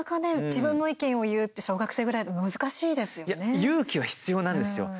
自分の意見を言うって小学生ぐらいでも難しいですよね。